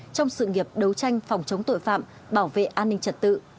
trong sự nghiệp đấu tranh phòng chống tội phạm bảo vệ an ninh trật tự